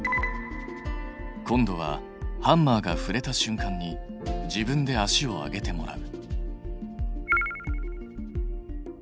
今度はハンマーがふれたしゅんかんに自分で足を上げてもらう。